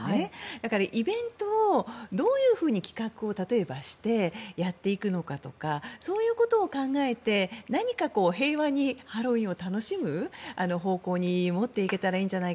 だからイベントを例えばどういうふうに企画してやっていくのかとかそういうことを考えて何か平和にハロウィーンを楽しむ方向に持っていけたらと。